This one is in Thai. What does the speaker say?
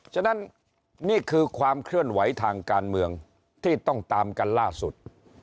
ฉะนั้นนี่คือความเคลื่อนไหวทางการเมืองที่ต้องตามกันล่าสุด